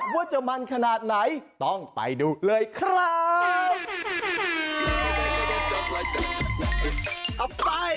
ว่าจะมันขนาดไหนต้องไปดูเลยครับ